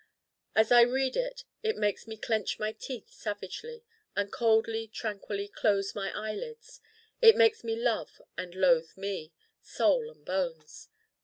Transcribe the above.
As I read it it makes me clench my teeth savagely: and coldly tranquilly close my eyelids: it makes me love and loathe Me, Soul and bones.